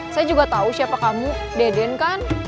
saya juga tahu siapa kamu deden kan